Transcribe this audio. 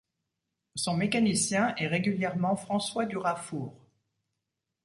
Son mécanicien est régulièrement François Durafour.